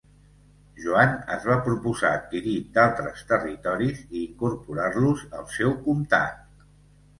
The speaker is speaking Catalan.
Joan es va proposar adquirir d'altres territoris i incorporar-los al seu comtat.